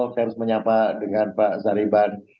saya harus menyapa dengan pak sariban